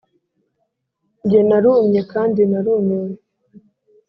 Jye narumye kandi narumiwe